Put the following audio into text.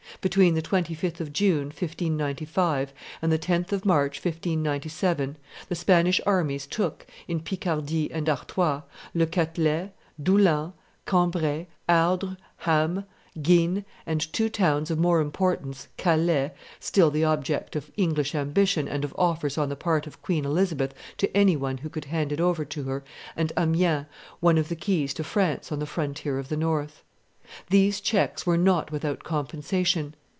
Between the 25th of June, 1595, and the 10th of March, 1597, the Spanish armies took, in Picardy and Artois, Le Catelet, Doullens, Cambrai, Ardres, Ham, Guines and two towns of more importance, Calais, still the object of English ambition and of offers on the part of Queen Elizabeth to any one who could hand it over to her, and Amiens, one of the keys to France on the frontier of the north. These checks were not without compensation.